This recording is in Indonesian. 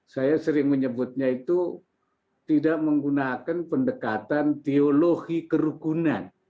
saya sering menyebutnya itu tidak menggunakan pendekatan teologi kerugunan